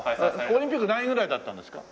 オリンピック何位ぐらいだったんですか？